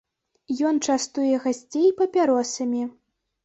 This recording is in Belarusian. Ён частуе гасцей папяросамі.